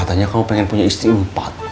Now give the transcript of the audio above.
katanya kamu pengen punya istri empat